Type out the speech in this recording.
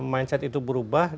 mindset itu berubah